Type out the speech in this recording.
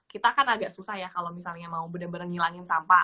kita kan agak susah ya kalau misalnya mau benar benar ngilangin sampah